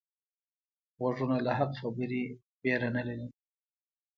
غوږونه له حق خبرې ویره نه لري